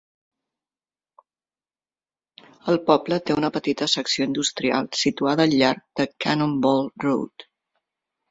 El poble té una petita secció industrial situada al llarg de Cannonball Road.